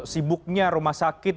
sibuknya rumah sakit